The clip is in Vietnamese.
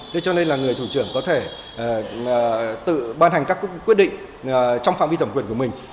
thế cho nên là người thủ trưởng có thể tự ban hành các quyết định trong phạm vi thẩm quyền của mình